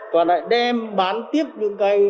và lại đem bán tiếp những cây